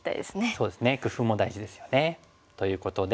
そうですね工夫も大事ですよね。ということで。